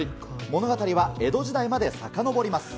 物語は江戸時代までさかのぼります。